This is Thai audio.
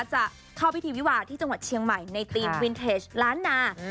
จะเข้าพิธีวิวาที่จังหวัดเชียงใหม่ในธีมวินเทจล้านนา